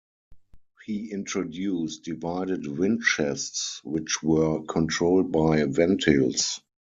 He introduced divided windchests which were controlled by ventils.